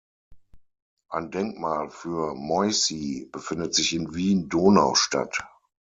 Ein Denkmal für Moissi befindet sich in Wien-Donaustadt.